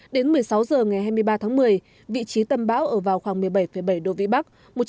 đến một mươi sáu h ngày hai mươi ba tháng một mươi vị trí tâm bão ở vào khoảng một mươi bảy bảy độ vĩ bắc